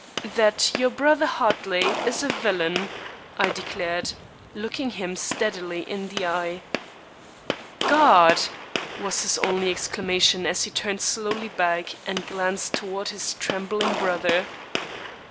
"That your brother Hartley is a villain," I declared, looking him steadily in the eye. "God!" was his only exclamation as he turned slowly back and glanced toward his trembling brother.